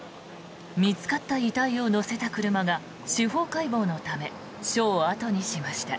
見つかった遺体を乗せた車が司法解剖のため署を後にしました。